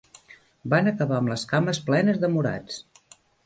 Van acabar amb les cames plenes de morats.